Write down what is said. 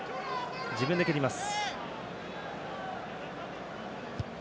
自分で蹴ります。